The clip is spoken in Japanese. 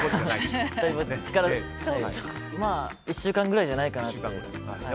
１週間ぐらいじゃないかなと。